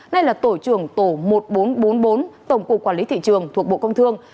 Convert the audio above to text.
nay là tổ trưởng tổ một nghìn bốn trăm bốn mươi bốn tổng cục quản lý thị trường thuộc bộ công thương